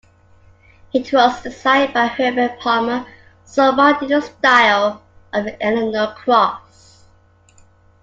It was designed by Herbert Palmer somewhat in the style of an Eleanor cross.